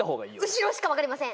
後ろしか分かりません。